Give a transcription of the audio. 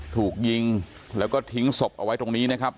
ถูกยิงแล้วก็ทิ้งศพเอาไว้ตรงนี้นะครับ